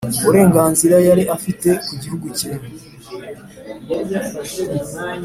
Uburenganzira yari afite ku gihugu cye